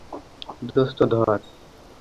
দোস্ত, ধর।